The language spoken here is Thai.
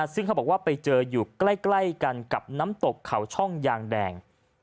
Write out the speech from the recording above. ซึ่งเขาบอกว่าไปเจออยู่ใกล้กันกับน้ำตกเขาช่องยางแดง